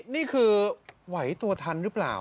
นี่คือไหวตัวทันหรือเปล่า